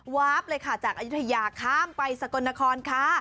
วาบเลยค่ะจากอายุทยาข้ามไปสกลนครค่ะ